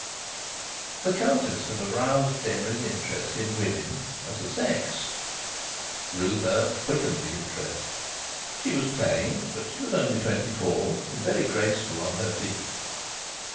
The Countess had aroused Denry's interest in women as a sex; Ruth Earp quickened the interest. She was plain, but she was only twenty four, and very graceful on her feet.